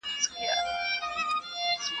o چاړه چي د زرو سي، بيا ئې هم څوک په نس نه چخي.